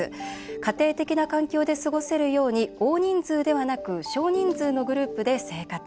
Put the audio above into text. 家庭的な環境で過ごせるように大人数ではなく少人数のグループで生活。